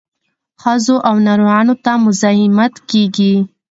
ښځو او ناروغانو ته مزاحمت کیږي.